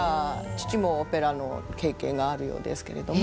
父もオペラの経験があるようですけれども。